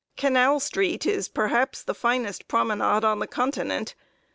] Canal street is perhaps the finest promenade on the continent.